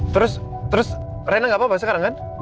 terus rena gak apa apa sekarang kan